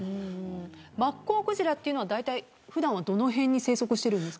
マッコウクジラっていうのは普段はどの辺に生息しているんですか。